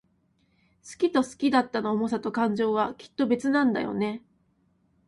好きと好きだったの想さと感情は、きっと別なんだよね。